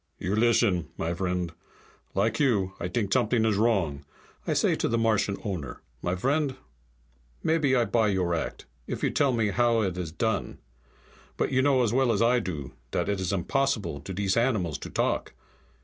"You listen, my vriend. Like you, I t'ink something is wrong. I say to Martian owner, 'My vriend, maybe I buy your act, if you tell me how it is done. But you know as well as I do dat it is impossible to dese animals to talk.